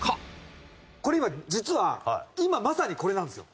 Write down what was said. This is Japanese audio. これ今実は今まさにこれなんですよ